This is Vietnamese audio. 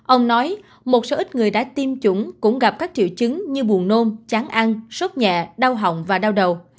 ông nói một số ít người đã tiêm chủng cũng gặp các triệu chứng như buồn nôm chán ăn sốt nhẹ đau hỏng và đau đầu